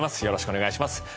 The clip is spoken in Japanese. よろしくお願いします。